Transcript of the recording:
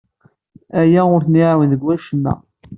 Aya ur ten-iɛawen deg wacemma.